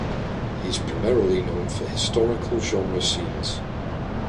He is primarily known for historical genre scenes.